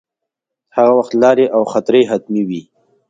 هغه وخت لارې او خطرې حتمې وې.